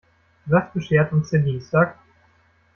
Was beschert uns der Dienstag?